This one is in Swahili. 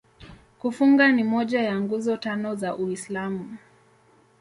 Kufunga ni moja ya Nguzo Tano za Uislamu.